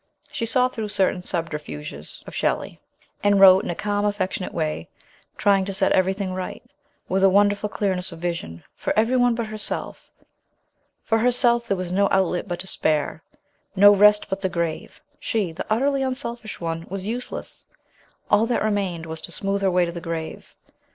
She saw through certain subterfuges of Shelley, and wrote in a calm, affectionate way, trying to set everything right, with a wonderful clearness of vision; for everyone but herself for herself there was no outlet but despair, no rest but the grave ; she, the utterly un selfish one, was useless all that remained was to smooth her way to the grave.